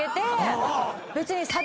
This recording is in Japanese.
別に。